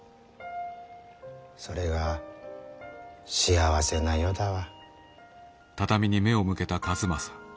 それが幸せな世だわ。